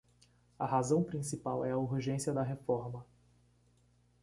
A razão principal é a urgência da reforma.